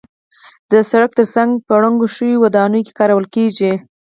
د سړک تر څنګ په ړنګو شویو ودانیو کې کارول کېږي.